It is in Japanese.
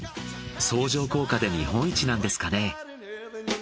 相乗効果で日本一なんですかね。